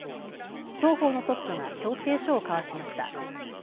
双方のトップが協定書を交わしました。